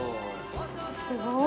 すごい。